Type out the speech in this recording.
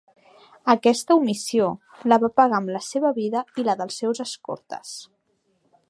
Aquesta omissió la va pagar amb la seva vida i la dels seus escortes.